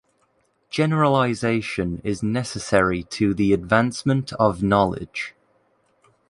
Generalization is necessary to the advancement of knowledge.